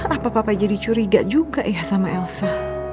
apa apa jadi curiga juga ya sama elsa